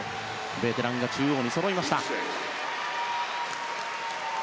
ベテランが中央にそろいました。